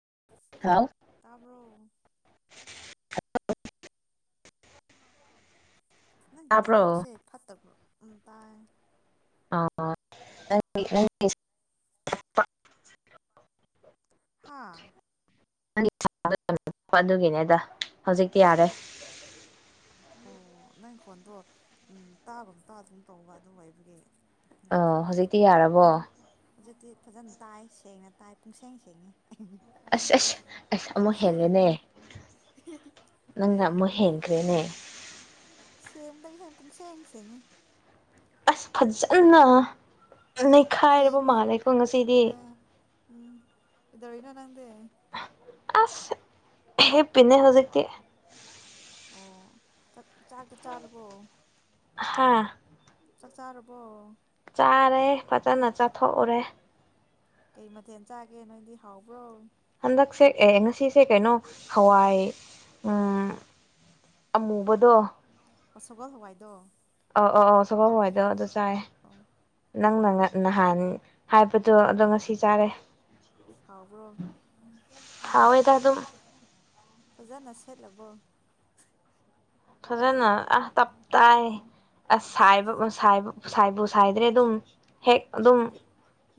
[inaudible] ꯇꯥꯕꯔꯣ [unintelligible] ꯅꯪꯒꯤ ꯅꯦꯠ ꯇꯥꯕ꯭ꯔꯣ ꯋꯥꯛꯁꯦ ꯐꯠꯇꯕ꯭ꯔꯣ ꯎꯝ ꯇꯥꯏ [unintelligible] ꯍꯥꯥ [unintelligible] ꯑꯗꯨꯒꯤꯅꯦꯗ ꯍꯧꯖꯤꯛꯇꯤ ꯌꯥꯔꯦ ꯑꯣ ꯅꯪ ꯈꯣꯟꯗꯣ ꯎꯝ ꯇꯥꯒꯨꯝ ꯇꯥꯗꯒꯨꯝ ꯇꯧꯕ ꯑꯗꯨ ꯑꯣꯏꯕꯒꯤ ꯑꯥꯎ ꯃꯈꯣꯟꯗꯣ ꯍꯧꯖꯤꯛꯇꯤ ꯌꯥꯔꯕꯣ ꯍꯧꯖꯤꯛꯇꯤ ꯐꯖꯅ ꯇꯥꯏ ꯁꯦꯡꯅ ꯇꯥꯏ ꯄꯨꯡꯁꯦꯡ ꯁꯦꯡꯉꯤ ꯑꯁ ꯑꯁ ꯑꯁ ꯑꯃꯨꯛ ꯍꯦꯜꯂꯦꯅꯦ ꯅꯪꯅ ꯑꯃꯨꯛ ꯍꯦꯟꯈ꯭ꯔꯦꯅꯦ ꯁꯦꯡꯕꯗꯒꯤ ꯍꯦꯟ ꯄꯨꯡꯁꯦꯡ ꯁꯦꯡꯉꯤ ꯑꯁ ꯐꯖꯟꯅ ꯅꯩꯈꯥꯏꯔꯕ ꯁꯦꯡꯉꯦ ꯃꯥꯜꯂꯦꯀꯣ ꯉꯁꯤꯗꯤ ꯑꯥ ꯎꯝ ꯀꯩꯗꯧꯔꯤꯅꯣ ꯅꯪꯗꯤ ꯑꯁ ꯍ ꯍꯤꯞꯄꯤꯅꯦ ꯍꯧꯖꯤꯛꯇꯤ ꯑꯣ ꯆꯥꯛ ꯆꯥꯛꯇꯤ ꯆꯥꯔꯕꯣ ꯍꯥꯥ ꯆꯥꯛ ꯆꯥꯔꯕꯣ ꯆꯥꯔꯦ ꯐꯖꯅ ꯆꯥꯊꯣꯛꯎꯔꯦ ꯀꯩ ꯃꯊꯦꯜ ꯆꯥꯒꯦ ꯅꯣꯏꯗꯤ ꯍꯥꯎꯕ꯭ꯔꯣ ꯍꯟꯗꯛꯁꯦ ꯑꯦ ꯉꯁꯤꯁꯦ ꯀꯩꯅꯣ ꯍꯋꯥꯏ ꯎꯝ ꯑꯃꯨꯕꯗꯣ ꯑꯣ ꯁꯒꯣꯜ ꯍꯋꯥꯏꯗꯣ ꯑꯣ ꯑꯣ ꯑꯣ ꯁꯒꯣꯜ ꯍꯋꯥꯏꯗꯣ ꯑꯗꯣ ꯆꯥꯏ ꯑꯣ ꯅꯪ ꯅ ꯉ ꯑꯣ ꯅꯍꯥꯟ ꯍꯥꯏꯕꯗꯣ ꯑꯗꯣ ꯉꯁꯤ ꯆꯥꯔꯦ ꯍꯥꯎꯕ꯭ꯔꯣ ꯍꯥꯎꯋꯦꯗ ꯑꯗꯨꯝ ꯐꯖꯅ ꯁꯦꯠꯂꯕꯣ ꯐꯖꯅ ꯑꯥ ꯇꯞ ꯇꯥꯏ ꯑꯁꯥꯏꯕ ꯑ ꯁꯥꯏꯕ ꯁꯥꯏꯕꯨ ꯁꯥꯏꯗ꯭ꯔꯦ ꯑꯗꯨꯝ ꯍꯦꯛ ꯑꯗꯨꯝ ꯌꯣꯠ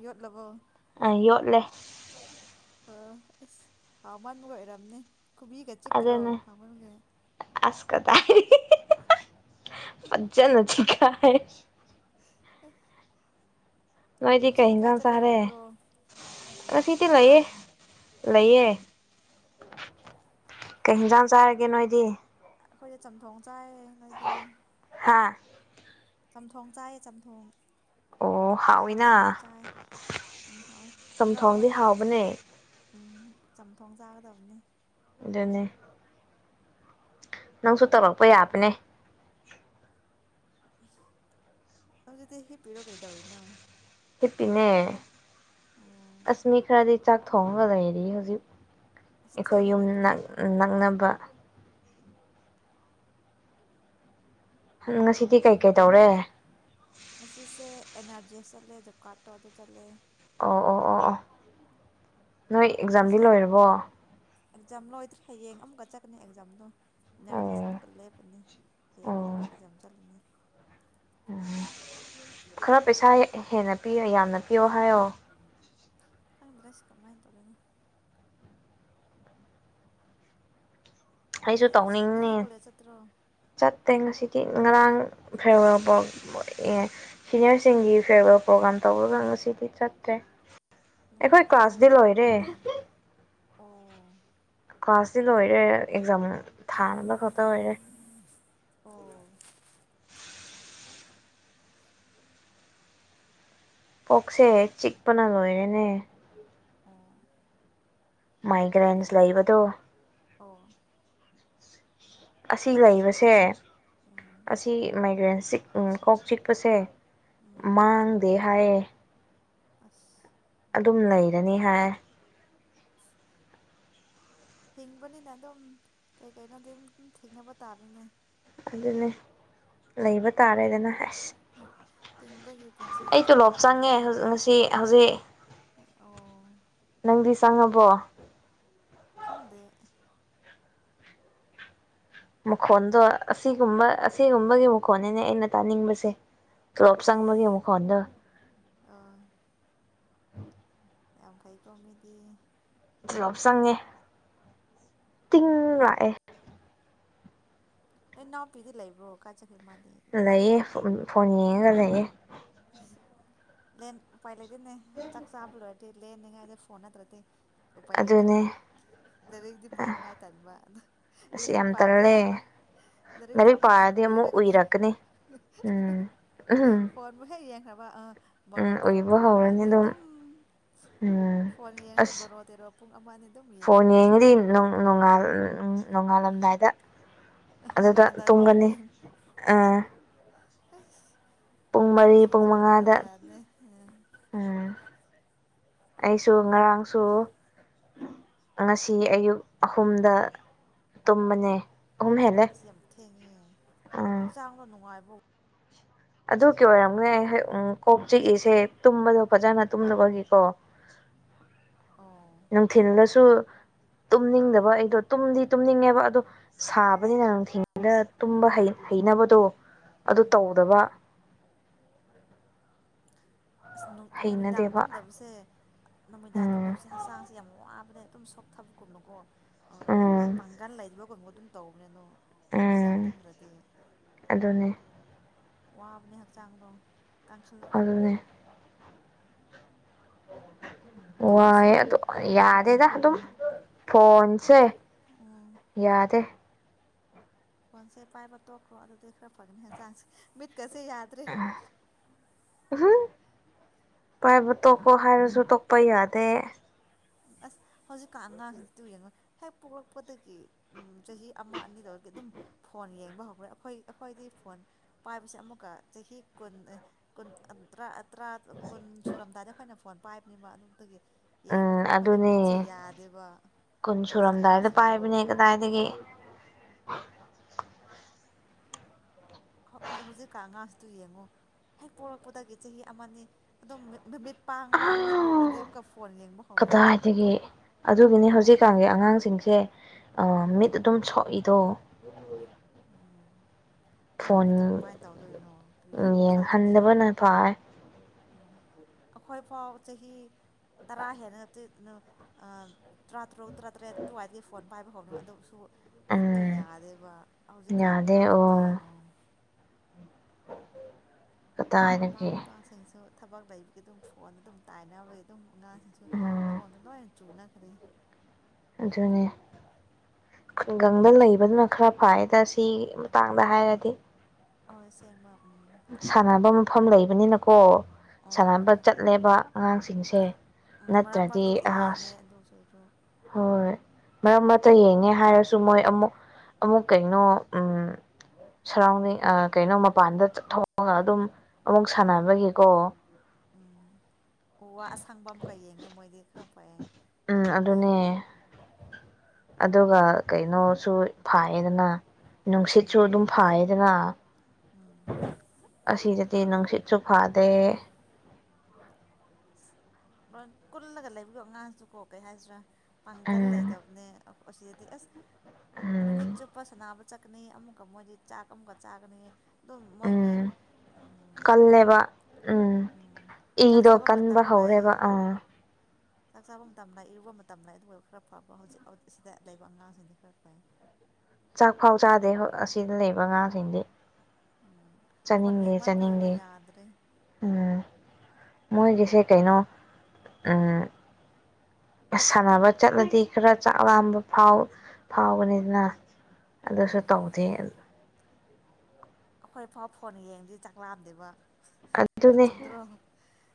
ꯌꯣꯠꯂꯕꯣ ꯌꯣꯠꯂꯦ ꯑꯣ ꯑꯁ ꯍꯥꯎꯃꯟꯕꯒ ꯑꯣꯏꯔꯝꯅꯤ ꯈꯨꯕꯤꯒ ꯆꯤꯛꯇꯔꯣ ꯑꯗꯨꯅꯦ ꯍꯥꯎꯃꯟꯕꯒꯤ ꯑꯁ ꯀꯗꯥꯏꯗꯒꯤ ꯍꯤ ꯍꯤ ꯍꯤ ꯍꯤ ꯍꯥ ꯐꯖꯅ ꯆꯤꯛꯈꯥꯏꯔꯦ ꯑꯦ ꯅꯣꯏꯗꯤ ꯀꯩ ꯍꯤꯟꯖꯥꯡ ꯆꯥꯔꯦ ꯉꯁꯤꯗꯤ ꯍꯥ ꯂꯩꯌꯦ ꯑꯣ ꯂꯩꯌꯦ ꯀꯩꯟꯖꯥꯡ ꯆꯥꯔꯒꯦ ꯅꯣꯏꯗꯤ ꯑꯩꯈꯣꯏꯗ ꯆꯝꯊꯣꯡ ꯆꯥꯏꯌꯦ ꯅꯣꯏꯗꯤ ꯍꯥꯥ ꯆꯝꯊꯣꯡ ꯆꯥꯏꯌꯦ ꯆꯝꯊꯣꯡ ꯑꯣ ꯆꯥꯡꯁ ꯍꯥꯎꯋꯤꯅ ꯆꯥꯏꯈꯥꯣꯏ ꯃ ꯆꯝꯊꯣꯡꯗꯤ ꯃꯗꯤ ꯍꯥꯎꯕꯅꯦ ꯎꯝ ꯆꯝꯊꯣꯡ ꯆꯥꯒꯗꯕꯅꯦ ꯗꯅꯤ ꯅꯪꯁꯨ ꯇꯧꯔꯛꯄ ꯌꯥꯕꯅꯦ ꯗꯤ ꯍ ꯄꯤꯔ ꯀꯔꯤꯗꯣꯏ ꯅ ꯁꯤ ꯄꯅꯦ ꯑꯁꯃꯤ ꯈꯔꯗꯤ ꯆꯥꯛ ꯊꯣꯡꯉꯒ ꯂꯩꯔꯔꯤ ꯍꯧꯖꯤꯛ ꯑꯁ ꯑꯩꯈꯣꯏ ꯌꯨꯝ ꯊꯦꯡꯉꯦꯅꯦ ꯄꯨꯡ ꯅꯛꯅꯕ ꯉꯁꯤꯗꯤ ꯀꯩ ꯀꯩ ꯊꯦꯡꯉꯦꯅꯦ ꯇꯧꯔꯦ ꯉꯁꯤꯁꯦ ꯑꯦꯟ ꯑꯔꯖꯤ ꯑꯦꯁ ꯆꯠꯂꯦ ꯖꯣꯕ ꯀꯥꯔꯗꯠꯇꯣ ꯑꯗꯨ ꯆꯠꯂꯦ ꯑꯣ ꯑꯣ ꯑꯣ ꯑꯣ ꯅꯣꯏ ꯑꯦꯛꯖꯥꯝꯗꯤ ꯉꯁꯤ ꯂꯣꯏꯔꯕꯣ ꯑꯦꯛꯖꯥꯝ ꯂꯣꯏꯗ꯭ꯔꯦ ꯍꯌꯦꯡ ꯑꯃꯨꯛꯀ ꯆꯠꯀꯅꯤ ꯑꯦꯛꯖꯥꯝꯗꯣ ꯏ ꯑꯥꯔꯖꯤꯁ ꯑꯣ ꯑꯃꯛꯀ ꯂꯦꯞꯄꯅꯤ ꯍꯌꯦꯡ ꯑꯃꯨꯛꯀ ꯑꯣ ꯑꯦꯛꯖꯥꯝ ꯆꯠꯂꯅꯤ ꯈꯔ ꯄꯩꯁꯥ ꯍꯦꯟꯅ ꯄꯤ ꯌꯥꯝꯅ ꯄꯤꯌꯣ ꯍꯥꯏꯌꯣ ꯈꯪꯗ꯭ꯔꯁꯤ ꯀꯝꯃꯥꯏꯅ ꯇꯧꯔꯦꯅ ꯑꯩꯁꯨ ꯅꯣꯏꯗꯤ ꯇꯧꯅꯤꯡꯉ ꯉꯁꯤꯗꯤ ꯀꯣꯂꯦꯖ ꯆꯠꯇ꯭ꯔꯣ ꯆꯠꯇꯦ ꯉꯁꯤꯗꯤ ꯉꯔꯥꯡ ꯐꯦꯋꯦꯜ ꯁꯤꯅꯤꯌꯔꯁꯤꯡꯒꯤ ꯐꯦꯔꯋꯔꯦꯜ ꯄ꯭ꯔꯣꯒꯥ꯭ꯔꯥꯝ ꯇꯧꯔꯒ ꯉꯁꯤꯗꯤ ꯆꯠꯇ꯭ꯔꯦ ꯑꯩꯈꯣꯏ ꯅꯨꯡꯉꯥꯏꯕ꯭ꯔꯣ ꯀ꯭ꯂꯥꯁꯗꯤ ꯐꯦꯔꯋꯦꯜ ꯂꯣꯏꯔꯦ ꯄ꯭ꯔꯣꯒ꯭ꯔꯥꯝꯗꯤ ꯑꯣ ꯀ꯭ꯂꯥꯁꯇꯤ ꯂꯣꯏꯔꯦ ꯑꯦꯛꯖꯥꯝ ꯊꯥꯅꯕ ꯈꯛꯇ ꯂꯔꯦ ꯑꯣ ꯄꯣꯛꯁꯦ ꯆꯤꯛꯄꯅ ꯂꯣꯏꯔꯦꯅꯦ ꯑꯣ ꯀꯩ ꯃꯥꯏꯒ꯭ꯔꯦꯟꯁ ꯂꯩꯕꯗꯣ ꯑꯣ ꯑꯁꯤ ꯂꯩꯕꯁꯦ ꯎꯝ ꯑꯁꯤꯁꯤ ꯃꯥꯏꯒ꯭ꯔꯦꯟ ꯀꯣꯛ ꯆꯤꯛꯄꯁꯦ ꯎꯝ ꯃꯥꯡꯗꯦ ꯍꯥꯏꯌꯦ ꯑꯁ ꯑꯗꯨꯝ ꯂꯩꯔꯅꯤ ꯍꯥꯏ ꯍꯤꯡꯕꯅꯤꯅ ꯑꯗꯨꯝ ꯀꯩ ꯀꯩꯅꯣꯗꯤꯝ ꯊꯦꯡꯅꯕ ꯇꯥꯕꯅꯦ ꯑꯗꯨꯅꯦ ꯂꯩꯕ ꯇꯥꯔꯦꯗꯅ ꯍꯥꯏꯁ ꯍꯤꯡꯕꯒꯤ ꯄꯨꯟꯁꯤꯗꯤ ꯑꯩ ꯇꯣꯂꯣꯞ ꯑꯗꯨꯃꯥꯏꯅ ꯇꯧꯒꯗꯕꯅꯤ ꯆꯪꯉꯦꯖꯤꯛ ꯉꯁꯤ ꯍꯧꯖꯤꯛ ꯑꯣ ꯅꯪꯗꯤ ꯆꯪꯉꯕꯣ ꯈꯪꯗꯦ ꯃꯈꯣꯟꯗꯣ ꯑꯁꯤꯒꯨꯝꯕ ꯑꯁꯤꯒꯨꯝꯕꯒꯤ ꯃꯈꯣꯟꯅꯤꯅꯦ ꯑꯩꯅ ꯇꯥꯅꯤꯡꯕꯁꯦ ꯇꯣꯂꯣꯞ ꯆꯪꯕꯒꯤ ꯃꯈꯣꯟꯗꯣ ꯑ ꯌꯥꯝ ꯐꯩ ꯀꯣꯃꯦꯗꯤ ꯄꯨꯂꯞ ꯆꯪꯉꯦ ꯇꯤꯡ ꯂꯥꯛꯑꯦ ꯑꯩ ꯅꯥꯎꯄꯤꯗꯤ ꯂꯩꯕ꯭ꯔꯣ ꯀꯥ ꯆꯈꯩ ꯃꯥꯜꯂꯦ ꯂꯩꯌꯦ ꯐꯣꯟ ꯌꯦꯡꯉꯒ ꯂꯩꯌꯦ ꯂꯦꯟ ꯄꯥꯏꯂ ꯑꯗꯨꯅꯦ ꯆꯛ ꯁꯥꯞ ꯍꯤ ꯉꯗ ꯐꯣꯟ ꯇ꯭ꯔ ꯎꯄꯥꯏ ꯂꯩꯇ꯭ꯔꯦ ꯑꯗꯨꯅꯦ ꯂꯥꯏꯔꯤꯛꯇꯗꯤ ꯄꯥꯅꯤꯡꯉꯥꯏ ꯇꯅꯤꯡꯕ ꯑ ꯑꯁ ꯂꯥꯏꯔꯤꯛ ꯌꯥꯝ ꯄꯥꯗꯤ ꯇꯜꯂꯦ ꯑꯃꯨꯛꯀ ꯂꯥꯏꯔꯤꯛ ꯄꯥꯕ ꯍꯧꯔꯗꯤ ꯑꯃꯨꯛꯀ ꯄꯥꯔꯗꯤ ꯑꯃꯨꯛ ꯑꯣꯏꯔꯒꯅꯤ ꯎꯏꯔꯛꯀꯅꯤ ꯎꯝ ꯎꯝ ꯌꯦ ꯍꯥꯏꯕ ꯑ ꯕꯥꯔꯣ ꯎꯝ ꯇꯦꯔꯣ ꯎꯏꯕ ꯄꯨꯡ ꯍꯧꯔꯅꯤ ꯑꯃꯅꯤ ꯑꯗꯨꯝ ꯎꯝ ꯐꯣꯟ ꯌꯦꯡꯉꯗꯤ ꯑꯁ ꯕꯥꯔꯣ ꯇꯦꯔꯣ ꯄꯨꯡ ꯑꯃꯅꯤ ꯑꯗꯨꯝ ꯌꯦꯡꯕ ꯐꯣꯟ ꯉꯝꯕ ꯌꯦꯡꯉꯗꯤ ꯅꯣꯡꯉꯥꯜꯂꯝꯗꯥꯏꯗ ꯑꯗꯨꯗ ꯅꯣꯡꯉꯥꯜꯂꯝꯗꯥꯏ ꯐꯥꯎ ꯑꯗꯨꯝ ꯇꯨꯝꯒꯅꯤ ꯑ ꯎ [unintelligible] ꯃꯤꯁꯤꯡꯁ ꯌꯥꯗ ꯃꯉꯥꯗ ꯌꯥꯥꯗꯅꯦ ꯎꯝ ꯑꯩꯁꯨ ꯉꯔꯥꯡꯁꯨ ꯉꯁꯤ ꯑꯌꯨꯛ ꯑꯍꯨꯝꯗ ꯇꯨꯝꯕꯅꯦ ꯑꯍꯨꯝ ꯍꯦꯜꯂꯦ ꯑꯁꯤ ꯌꯥꯝ ꯊꯦꯡꯉꯦ ꯎꯝ ꯍꯛꯆꯥꯡꯗꯣ ꯅꯨꯡꯉꯥꯏꯕ ꯍꯣꯏ ꯑꯗꯨ ꯀ ꯑꯣꯏꯔꯝꯅꯦ ꯍ ꯎꯝ ꯀꯣꯛ ꯆꯤꯛꯏꯁꯦ ꯇꯨꯝꯕꯗꯣ ꯐꯖꯅ ꯇꯨꯝꯅꯕꯒꯤꯀꯣ ꯑꯣ ꯅꯨꯡꯊꯤꯜꯗꯁꯨ ꯇꯨꯝꯅꯤꯡꯗꯕ ꯑꯩꯗꯣ ꯇꯨꯝꯗꯤ ꯇꯨꯝꯅꯤꯡꯉꯦꯕ ꯑꯗꯣ ꯁꯥꯕꯅꯤꯅ ꯅꯨꯡꯊꯤꯜꯗ ꯇꯨꯝꯕ ꯍꯩꯅꯕꯗꯣ ꯑꯗꯨ ꯎꯝ ꯇꯧꯗꯕ ꯑꯁ ꯅꯨꯃꯤꯗꯥꯡ ꯍꯩꯅꯗꯦꯕ ꯇꯨꯝꯗꯕꯁꯦ ꯅꯨꯃꯤꯗꯥꯡ ꯎꯝ ꯇꯨꯝꯗꯕꯁꯦ ꯍꯛꯆꯥꯡꯁꯦ ꯌꯥꯝ ꯋꯥꯕꯅꯦ ꯑꯗꯨ ꯁꯣꯛ ꯊꯥꯕꯨꯒꯨꯔꯅꯒꯣ ꯑ ꯑꯩ ꯎꯝ ꯄꯥꯡꯒꯟ ꯂꯩꯕꯒꯨꯝꯕ ꯑꯗꯨꯝ ꯇꯧꯕꯅꯦꯅꯣ ꯎꯝ ꯅꯨꯃꯤꯗꯥꯡ ꯄꯨꯝꯗ꯭ꯔꯗꯤ ꯑꯗꯨꯅꯦ ꯋꯥꯕꯅꯦ ꯍꯛꯆꯥꯡꯗꯣ ꯀꯪ ꯈꯥꯂꯛꯗꯕꯅꯦ ꯑꯗꯨꯅꯦ ꯇꯨꯝꯃꯁꯨ ꯋꯥꯏ ꯑꯗꫭ ꯌꯥꯗꯦꯗ ꯑꯗꯨꯨꯝ ꯐꯣꯟꯁꯦ ꯇꯨꯝꯃ ꯎꯝ ꯌꯥꯗꯦ ꯐꯣꯟꯁꯦ ꯄꯥꯏꯕ ꯇꯣꯛꯈ꯭ꯔꯣ ꯑꯗꯨꯗꯤ ꯈꯔ ꯐꯪꯅꯤꯅ ꯍꯛꯆꯥꯡꯁꯦ ꯃꯤꯠ ꯍ ꯄꯥꯏꯕꯨ ꯇꯣꯛꯀꯣ ꯍꯥꯏꯔꯁꯨ ꯇꯣꯛꯄ ꯌꯥꯗꯦ ꯑꯁ ꯍꯧꯖꯤꯛꯀꯥꯟ ꯑꯉꯥꯡꯁꯤꯡꯁꯤ ꯌꯦꯡꯉꯨ ꯍꯦꯛ ꯄꯣꯛꯂꯛꯄꯗꯒꯤ ꯆꯍꯤ ꯑꯃ ꯑꯅꯤ ꯂꯧꯔꯗꯤ ꯑꯗꯨꯝ ꯐꯣꯟ ꯌꯦꯡꯕ ꯍꯧꯈ꯭ꯔꯦ ꯑꯩꯈꯣꯏ ꯑꯩꯈꯣꯏꯗꯤ ꯐꯣꯟ ꯄꯥꯏꯕꯁꯦ ꯑꯃꯨꯛꯀ ꯆꯍꯤ ꯀꯨꯟ ꯀꯨꯟ ꯇꯔꯥ ꯇꯔꯥ ꯀꯨꯟ ꯁꯨꯔꯝꯗꯥꯏ ꯑꯩꯈꯣꯏꯅ ꯐꯣꯟ ꯄꯥꯏꯕꯅꯦꯕ ꯑꯗꯨꯝ ꯑꯗꯨꯒꯤ ꯎꯝ ꯌꯦꯡꯕꯐꯥꯎ ꯑꯗꯨꯅꯦ ꯀꯨꯟ ꯍꯧꯖꯤꯛ ꯁꯨꯔꯝꯗꯥꯏꯗ ꯑꯉꯥꯡꯁꯤꯡꯗꯣ ꯄꯥꯏꯕꯅꯦ ꯀꯗꯥꯏꯗꯒꯤ ꯍꯧꯖꯤꯛꯀꯥꯟ ꯑꯉꯥꯡꯁꯤꯗꯣ ꯌꯦꯡꯉꯨ ꯍꯦꯛ ꯄꯣꯔꯛꯄꯗꯒꯤ ꯆꯍꯤ ꯑꯃꯅꯤ ꯑꯗꯨꯝ ꯃꯃꯤꯠ ꯑ ꯄꯥꯡꯕ ꯃꯤꯠ ꯎꯈ꯭ꯔꯗꯤ ꯑꯃꯨꯛꯀ ꯐꯣꯟ ꯌꯦꯡꯕ ꯍꯧꯔꯦ ꯀꯗꯥꯏꯗꯒꯤ ꯃꯣꯏ ꯑꯗꯨꯒꯤꯅꯤ ꯃꯣꯏ ꯍꯧꯖꯤꯛꯀꯥꯟꯒꯤ ꯑꯉꯥꯡꯁꯤꯡꯁꯦ ꯃꯤꯠ ꯎꯝ ꯑꯗꯨꯝ ꯁꯣꯛꯏꯗꯣ [unintelligible] ꯎꯝ ꯃꯣꯏꯒꯤ ꯃꯤꯠꯇꯣ ꯐꯣꯟ ꯀꯃꯥꯏꯅ ꯇꯧꯗꯣꯏꯅꯣ ꯇꯨ ꯌꯦꯡꯉꯣ ꯈꯜꯂꯣꯅꯦ ꯌꯦꯡꯍꯟꯗꯕꯅ ꯐꯥꯏ ꯑꯩꯈꯣꯏ ꯐꯥꯎ ꯆꯍꯤ ꯇꯔꯥ ꯍꯦꯟꯅ ꯅ ꯇꯔꯥ ꯇꯔꯨꯛ ꯇꯔꯥꯇꯔꯦꯠ ꯑꯗꯨꯋꯥꯏꯗꯒꯤ ꯐꯣꯟ ꯄꯥꯏꯕ ꯍꯧꯕꯅꯦ ꯑꯗꯨꯁꯨ ꯃꯤꯠꯇꯣ ꯎꯝ ꯌꯥꯗꯦꯕ ꯍꯧꯖꯤꯛꯀꯥꯟ ꯌꯥꯗꯦ ꯑꯉꯥꯡꯁꯤꯡꯗꯤ ꯑꯣ ꯌꯦꯡꯉꯣ ꯃꯃꯥ ꯀꯗꯥꯏꯗꯒꯤ ꯃꯄꯥꯁꯤꯡꯁꯨ ꯊꯕꯛ ꯂꯩꯕꯒꯤ ꯑꯗꯨꯝ ꯐꯣꯟꯗ ꯑꯗꯨꯝ ꯇꯥꯏꯅꯕꯒꯤ ꯑꯗꯨꯝ ꯑꯉꯥꯡꯁꯤꯡꯁꯨ ꯎꯝ ꯐꯣꯟꯗ ꯂꯣꯏꯅ ꯆꯨꯅꯈ꯭ꯔꯦ ꯑꯗꯨꯅꯦ ꯈꯨꯡꯒꯪꯗ ꯂꯩꯕꯗꯨꯅ ꯈꯔ ꯐꯩꯗ ꯁꯤ ꯃꯇꯥꯡꯗ ꯍꯥꯏꯔꯗꯤ ꯑꯣ ꯑꯁꯦꯡꯕ ꯎꯝ ꯁꯥꯟꯅꯕ ꯃꯐꯝ ꯂꯩꯕꯅꯤꯅꯀꯣ ꯁꯥꯟꯅꯕ ꯑꯣ ꯆꯠꯂꯦꯕ ꯑꯉꯥꯡꯁꯤꯡꯁꯦ ꯎꯝ ꯃꯔꯛ ꯅꯠꯇ꯭ꯔꯗꯤ ꯃꯔꯛꯇ ꯌꯦꯡꯉꯦ ꯑꯁ ꯑꯗꯨ ꯁꯔꯁꯨ ꯍꯣꯏ ꯃꯔꯛ ꯃꯔꯛꯇ ꯌꯦꯡꯉꯦ ꯍꯥꯏꯔꯁꯨ ꯃꯣꯏ ꯑꯃꯨꯛ ꯑꯃꯨꯛ ꯀꯩꯅꯣ ꯁꯔꯥꯎꯟꯗꯤꯡ ꯀꯩꯅꯣ ꯃꯄꯥꯟꯗ ꯊꯣꯛꯑꯒ ꯑꯗꯨꯝ ꯑꯃꯨꯛ ꯎꯝ ꯁꯥꯟꯅꯕꯒꯤꯀꯣ ꯎꯝ ꯎ ꯋꯥ ꯑꯁꯪꯕ ꯑꯃꯀ ꯌꯦꯡꯉꯦ ꯃꯣꯏꯗꯤ ꯈꯔ ꯐꯩꯌꯦ ꯎꯝ ꯑꯁ ꯑꯗꯨꯅꯦ ꯑꯗꯨꯒ ꯀꯩꯅꯣꯁꯨ ꯐꯥꯏꯌꯦꯗꯅ ꯅꯨꯡꯁꯤꯠꯁꯨ ꯎꯝ ꯑꯗꯨꯝ ꯐꯩꯌꯦꯗꯅ ꯂꯣꯏ ꯑꯁꯤꯗꯗꯤ ꯅꯨꯡꯁꯤꯠꯁꯨ ꯐꯗꯦ ꯂꯣꯏ ꯀꯨꯜꯂꯒ ꯂꯩꯕꯌꯣ ꯑꯉꯥꯡꯁꯨ ꯀꯣ ꯀꯩ ꯍꯥꯏꯁꯤꯔꯥ ꯄꯥꯡꯒꯜ ꯎꯝ ꯂꯩꯇꯕꯅꯦ ꯑꯣ ꯑꯁꯤꯗꯗꯤ ꯑꯁ ꯅꯨꯃꯤꯠ ꯎꯝ ꯆꯨꯞꯄ ꯁꯥꯅꯕ ꯆꯠꯀꯅꯤ ꯑꯃꯨꯛꯀ ꯃꯣꯏꯗꯤ ꯆꯥꯛ ꯑꯃꯨꯛꯀ ꯆꯥꯒꯅꯤ ꯑꯗꯨꯝ ꯃꯣꯏꯒꯤ ꯎꯝ ꯀꯜꯂꯦꯕ ꯎꯝ ꯆꯥꯛ ꯏꯗꯣ ꯆꯥꯕ ꯃꯇꯝ ꯀꯟꯕ ꯂꯩ ꯍꯧꯔꯦꯕ ꯑꯥ ꯆꯥꯛ ꯆꯥꯕ ꯃꯇꯝ ꯂꯩ ꯏꯔꯨꯕ ꯃꯇꯝ ꯂꯩ ꯑꯗꯨꯒ ꯈꯔ ꯐꯕ ꯍꯧꯖꯤꯛ ꯑꯁꯤꯗ ꯂꯩꯕ ꯑꯉꯥꯡꯁꯤꯡꯗꯤ ꯈꯔ ꯐꯩ ꯆꯥꯛ ꯐꯥꯎ ꯆꯥꯗꯦ ꯍ ꯑꯁꯤꯗ ꯂꯩꯕ ꯉꯥꯁꯤꯡꯗꯤ ꯎꯝ ꯐꯣꯟ ꯆꯥꯅꯤꯡꯗꯦ ꯌꯦꯡꯃꯟꯕꯒꯤꯀꯣ ꯆꯥꯅꯤꯡꯗꯦ ꯌꯥꯗ꯭ꯔꯦ ꯎꯝ ꯃꯣꯏꯒꯤꯁꯦ ꯀꯩꯅꯣ ꯑꯝ ꯁꯥꯟꯅꯕ ꯆꯠꯂꯗꯤ ꯈꯔ ꯆꯥꯛ ꯂꯥꯝꯕ ꯐꯥꯎ ꯐꯥꯎꯕꯅꯤꯗꯅ ꯑꯗꯨꯁꯨ ꯎꯝ ꯇꯧꯗꯦ ꯑꯩꯈꯣꯏ ꯐꯥꯎ ꯐꯣꯟ ꯌꯦꯡꯗꯤ ꯆꯥꯛꯂꯥꯝꯗꯦꯕ ꯅ ꯑꯗꯨꯅꯦ ꯆꯨꯝꯗ꯭ꯔꯣ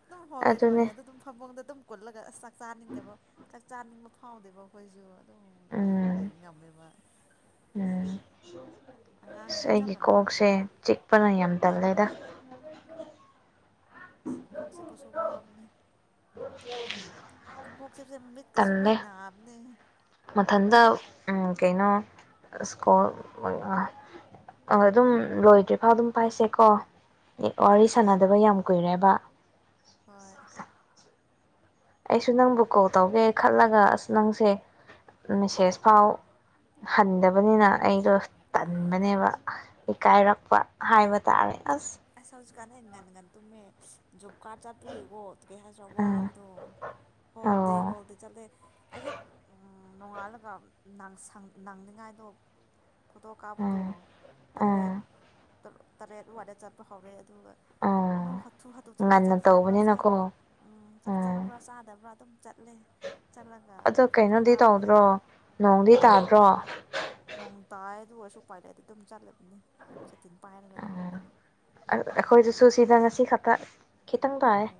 ꯗꯨꯝ ꯍꯣꯜ ꯗꯦ ꯐꯣꯟ ꯑꯗꯨꯅꯦ ꯌꯦꯡꯗꯗꯨꯝ ꯐꯃꯨꯡꯗ ꯑꯗꯨꯝ ꯀꯨꯜꯂꯒ ꯑꯁ ꯆꯥꯛ ꯆꯥꯅꯤꯡꯗꯦꯕ ꯆꯥꯛ ꯆꯥꯅꯤꯡꯕ ꯐꯥꯎꯗꯦꯕ ꯑꯈꯣꯏꯖꯨ ꯗꯨꯝ ꯌꯦꯉ ꯂꯩ ꯎꯝ ꯉꯝꯃꯦꯕ [inaudible] ꯁ ꯑꯉꯥꯡꯁꯤꯡꯁꯨ ꯆꯞ ꯑꯩꯒꯤ ꯀꯣꯛꯁꯦ ꯃꯥꯟꯅꯔꯝꯒꯅꯤ ꯆꯤꯛꯄꯅ ꯌꯥꯝ ꯇꯜꯂꯦꯗ ꯑꯁ ꯀꯣꯛ ꯆꯤꯛꯄꯁꯨ ꯋꯥꯕꯅꯦ ꯄꯁꯦ ꯃꯤꯠꯀꯁꯨ ꯂꯣꯏ ꯇꯜꯂꯦ ꯅꯥꯕꯅꯦ ꯃꯊꯟꯇ ꯎꯝ ꯀꯩꯅꯣ ꯁ꯭ꯀꯣꯜ ꯑꯑ ꯍꯣꯏ ꯑꯗꯨꯝ ꯂꯣꯏꯗ꯭ꯔꯤꯐꯥꯎ ꯑꯗꯨꯝ ꯄꯥꯏꯁꯦꯀꯣ ꯏ ꯑ ꯋꯥꯔꯤ ꯍꯣꯏ ꯁꯥꯟꯅꯗꯕ ꯌꯥꯝ ꯀꯨꯏꯔꯦꯕ ꯍꯣꯏ ꯑꯩꯁꯨ ꯅꯪꯕꯨ ꯀꯣꯜ ꯇꯧꯒꯦ ꯈꯜꯂꯒ ꯑꯁ ꯅꯪꯁꯦ ꯃꯦꯁꯦꯖ ꯐꯥꯎ ꯍꯟꯗꯕꯅꯤꯅ ꯑꯩꯗꯣ ꯇꯟꯕꯅꯦꯕ ꯏꯀꯥꯏꯔꯛꯄ ꯍꯥꯏꯕ ꯇꯥꯔꯦ ꯑꯁ ꯍꯧꯖꯤꯛꯀꯥꯟ ꯉꯟꯉꯟ ꯇꯨꯝꯃꯦ ꯖꯣꯕ ꯀꯥꯔꯠ ꯆꯠꯄꯤꯌꯨꯀꯣ ꯑꯗꯨ ꯀꯩ ꯍꯥꯏꯁꯤꯔꯥ ꯎꯝ ꯋꯥꯕꯗꯣ ꯍꯣꯜꯗꯦ ꯑꯣ ꯍꯣꯜꯗꯦ ꯆꯠꯂꯦ ꯑꯌꯨꯛ ꯎꯝ ꯅꯣꯡꯉꯥꯜꯂꯒ ꯅꯪꯁꯪ ꯅꯪꯅꯉꯥꯏꯗꯣ ꯐꯣꯇꯣ ꯀꯥꯞꯄꯗꯣ ꯎꯝ ꯇꯔꯦꯠ ꯎꯝ ꯇꯔ ꯇꯔꯦꯠ ꯋꯥꯏꯗ ꯆꯠ ꯇꯍꯧꯋꯦ ꯑꯗꯨꯒ ꯗꯨꯝ ꯎꯝ ꯍꯥꯊꯨ ꯍꯥꯊꯨ ꯆꯠꯂꯦ ꯆꯥꯛ ꯉꯟꯅ ꯆꯥꯕ꯭ꯔꯥ ꯆꯥꯛ ꯇꯧꯕꯅꯤꯅꯀꯣ ꯎꯝ ꯆꯥꯛ ꯆꯥꯕ꯭ꯔꯥ ꯆꯥꯗꯕ꯭ꯔꯥ ꯑꯗꯨꯝ ꯆꯠꯂꯦ ꯆꯠꯂꯒ ꯑꯗꯣ ꯐꯣꯇꯣ ꯀꯩꯅꯣꯗꯤ ꯀꯥꯞꯂꯦ ꯇꯧꯗ꯭ꯔꯣ ꯅꯣꯡꯗꯤ ꯇꯥꯗ꯭ꯔꯣ ꯅꯣꯡ ꯇꯥꯏ ꯑꯗꯨ ꯑꯣꯏꯁꯨ ꯄꯥꯏꯂꯩꯗꯦ ꯑꯗꯨꯝ ꯆꯠꯂꯤꯕꯅꯤ ꯆꯇꯤꯟ ꯄꯥꯏꯔꯒ ꯑꯗꯨꯝ ꯑꯗꯨ ꯑꯩꯈꯣꯏꯁꯨ ꯁꯨꯁꯤꯗ ꯉꯁꯤ ꯈꯛꯇ ꯈꯤꯇꯪ ꯇꯥꯏꯌꯦ ꯑꯣ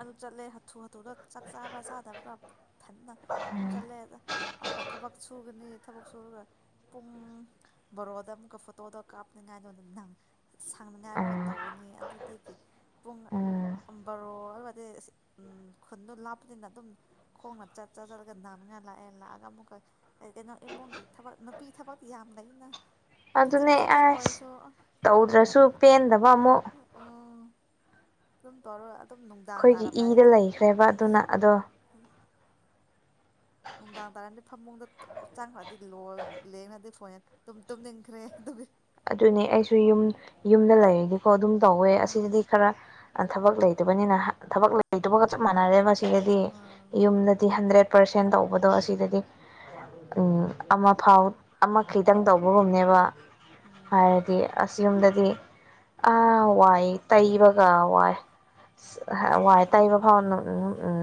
ꯑꯗꯨ ꯆꯠꯂꯦ ꯍꯥꯊꯨ ꯍꯥ ꯗꯨꯗ ꯆꯥꯛ ꯆꯥꯕ꯭ꯔꯥ ꯆꯥꯗꯕ꯭ꯔꯥ ꯊꯟꯅ ꯑꯗꯨꯝ ꯆꯠꯂꯦꯗ ꯑꯃꯨꯛꯀ ꯊꯕꯛ ꯁꯨꯒꯅꯤ ꯊꯕꯛ ꯁꯨꯔꯒ ꯄꯨꯡ ꯕꯥꯔꯣꯗ ꯑꯃꯨꯛꯀ ꯐꯣꯇꯣꯗ ꯀꯥꯞꯅꯤꯉꯥꯏꯗ ꯅꯪ ꯁꯥꯡꯅꯤꯉꯥꯏ ꯃꯍꯨꯠ ꯎꯝ ꯇꯧꯒꯅꯤ ꯑꯗꯨꯗꯒꯤ ꯄꯨꯡꯅ ꯎꯝ ꯑꯝ ꯕꯔꯣ ꯑꯗꯨꯋꯥꯏ ꯗꯩ ꯑꯁ ꯎꯝ ꯈꯨꯟꯗꯣ ꯂꯥꯞꯄꯅꯤꯅ ꯑꯗꯨꯝ ꯈꯣꯡꯅ ꯆꯠ ꯆꯠ ꯆꯠꯂꯒ ꯅꯥꯃꯉꯥ ꯂꯥꯛꯑꯦ ꯂꯥꯛꯑꯒ ꯑꯃꯨꯛꯀ ꯑꯩ ꯀꯩꯅꯣ ꯏꯃꯨꯡꯒꯤ ꯊꯕꯛ ꯅꯨꯄꯤ ꯊꯕꯛꯇꯤ ꯌꯥꯝ ꯂꯩꯅ ꯈꯖꯤꯛ ꯑꯗꯨꯅꯦ ꯈꯖꯤꯛꯇꯪ ꯑꯁ ꯑꯣꯏꯔꯁꯨ ꯇꯧꯗ꯭ꯔꯁꯨ ꯄꯦꯟꯗꯕ ꯑꯃꯨꯛ ꯑꯗꯨꯝ ꯇꯧꯔꯒ ꯑꯗꯨꯝ ꯅꯨꯡꯗꯥꯡ ꯑꯩꯈꯣꯏꯒꯤ ꯇꯥꯔꯝꯗꯥꯏꯗ ꯏꯗ ꯑꯗꯨꯝ ꯂꯩꯈ꯭ꯔꯦꯕ ꯑꯗꯨꯅ ꯑꯗꯣ ꯅꯨꯡꯗꯥꯡ ꯇꯥꯔꯝꯗꯤ ꯐꯃꯨꯡꯗ ꯇ ꯆꯥꯡꯈ꯭ꯔꯗꯤ ꯂꯣꯜ ꯂꯦꯡꯅꯗꯤ ꯐꯣꯟ ꯌꯦꯡ ꯇꯨꯝ ꯇꯨꯝꯅꯤꯡꯈ꯭ꯔꯦ ꯑꯗꯨꯒꯤ ꯑꯗꯨꯅꯦ ꯑꯩꯁꯨ ꯌꯨꯝ ꯌꯨꯝꯗ ꯂꯩꯔꯗꯤꯀꯣ ꯑꯗꯨꯝ ꯇꯧꯋꯦ ꯑꯥ ꯑꯁꯤꯖꯤꯗꯤ ꯈꯔ ꯑ ꯊꯕꯛ ꯂꯩꯇꯕꯅꯤꯅ ꯍꯥ ꯊꯕꯛ ꯂꯩꯇꯕꯒ ꯆꯞ ꯃꯥꯟꯅꯔꯦꯕ ꯁꯤꯗꯗꯤ ꯑꯥ ꯌꯨꯝꯗꯗꯤ ꯍꯟꯗ꯭ꯔꯦꯠ ꯄꯥꯔꯁꯦꯟ ꯇꯧꯕꯗꯣ ꯑꯁꯤꯗꯗꯤ ꯎꯝ ꯑꯃ ꯐꯥꯎ ꯑꯃ ꯈꯤꯇꯪ ꯇꯧꯕꯒꯨꯝꯅꯦꯕ ꯎꯝ ꯍꯥꯏꯔꯗꯤ ꯑꯁ ꯌꯨꯝꯗꯗꯤ ꯑꯥ ꯋꯥꯏ ꯇꯩꯕꯒ ꯋꯥꯏ ꯁꯁ ꯑꯍꯥ ꯋꯥꯏ ꯑꯁꯦꯡꯕꯅꯦ ꯇꯩꯕ ꯐꯥꯎ ꯅꯪ ꯎꯝ ꯎꯝ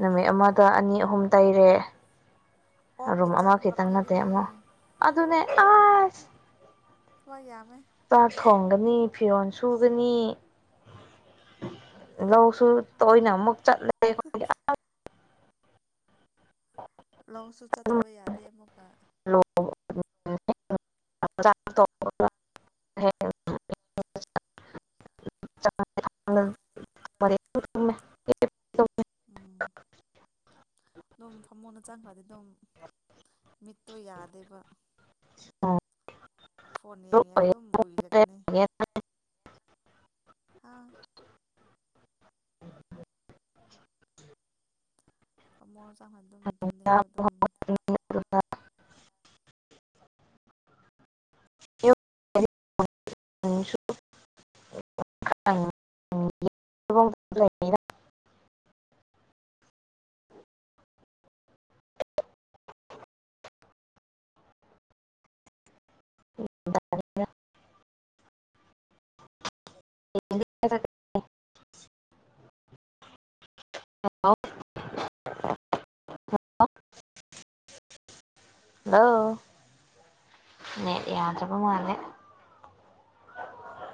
ꯅꯨꯃꯤꯠ ꯑꯃꯗ ꯑꯅꯤ ꯑꯍꯨꯝ ꯇꯩꯔꯦ ꯑꯣꯛꯀꯤ ꯔꯨꯝ ꯑꯃ ꯆꯥꯛ ꯑꯃꯨꯛꯀ ꯈꯤꯇꯪ ꯅꯠꯇꯦ ꯄꯤꯒꯅꯤ ꯑꯃ ꯑꯗꯨꯅꯦ ꯑꯁ ꯍꯣꯏ ꯌꯥꯝ ꯆꯥꯛ ꯊꯣꯡ ꯒꯅꯤ ꯐꯤꯔꯣꯜ ꯁꯨꯒꯅꯤ ꯂꯧꯁꯨ ꯇꯣꯏꯅ ꯑꯃꯨꯛ ꯆꯠ ꯂꯩ [unintelligible] ꯂꯧꯁꯨ ꯆꯠꯇꯕ ꯌꯥꯗꯦ ꯑꯃꯨꯛꯀ ꯑꯣ [unintelligible] ꯂꯧꯁꯤꯟꯕ ꯉꯝꯗꯕ ꯂꯧꯁꯤꯟꯕ ꯎꯝ ꯉꯝꯗꯕ ꯑꯗꯨꯝ ꯐꯃꯨꯡꯅ ꯆꯪꯈ꯭ꯔꯗꯤ ꯑꯗꯨꯝ ꯃꯤꯠꯇꯣ ꯌꯥꯗꯦꯕ ꯐꯣꯟ ꯌꯦꯡ ꯌꯦꯡꯉ ꯑꯗꯨꯝ ꯎꯏꯔꯛꯀꯅꯤ ꯂꯧꯁꯤꯟꯕ ꯉꯝꯗꯕ ꯑꯥ [unintelligible] ꯀꯥꯡꯍꯥꯟꯅ ꯗꯨꯝ ꯇꯨꯝꯅꯤꯡꯕ ꯑꯗꯨꯝ [unintelligible] [unintelligible] ꯂꯧꯁꯤꯟꯕ ꯉꯝꯗꯕ [unintelligible] ꯍꯜꯂꯣ ꯅꯦꯠ ꯌꯥꯗ꯭ꯔꯕ ꯃꯥꯜꯂꯦ